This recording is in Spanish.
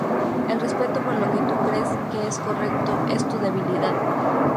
El respeto por lo que tu crees que es correcto es tu debilidad".